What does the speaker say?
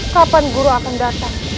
kapan guru akan datang